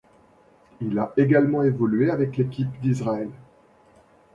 Il a également évolué avec l'équipe d'Israël.